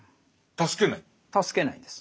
助けないんです。